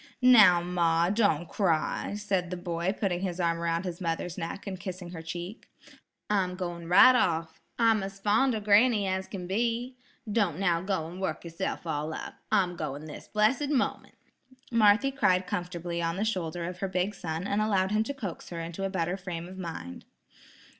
"Now, ma, don't cry," said the boy putting his arm about his mother's neck and kissing her cheek. "I'm going right off. I'm as fond of granny as can be. Don't now go and work yourself all up. I'm going this blessed moment." Marthy cried comfortably on the shoulder of her big son and allowed him to coax her into a better frame of mind.